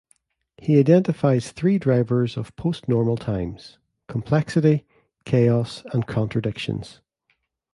He identifies three drivers of postnormal times: complexity, chaos and contradictions.